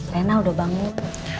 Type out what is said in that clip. rena udah bangun